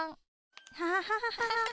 アハハハハ。